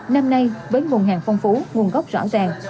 năm nay với nguồn hàng phong phú nguồn gốc rõ ràng